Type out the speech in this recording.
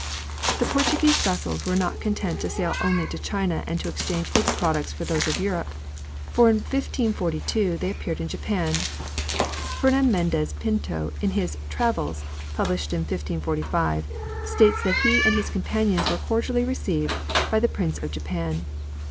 The Portuguese vessels were not content to sail only to China and to exchange its products for those of Europe, for in 1542 they appeared in Japan. Fernam Mendez Pinto in his "Travels," published in 1545, states that he and his companions were cordially received by the Prince of Japan.